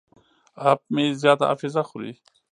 اپ مې زیاته حافظه خوري.